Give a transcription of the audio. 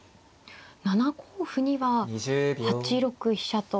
７五歩には８六飛車と。